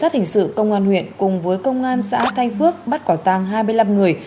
sát hình sự công an huyện cùng với công an xã thanh phước bắt quả tàng hai mươi năm người